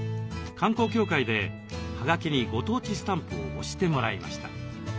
観光協会ではがきにご当地スタンプを押してもらいました。